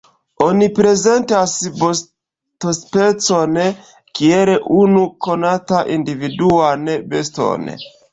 Oni prezentas bestospecon kiel unu konatan individuan beston.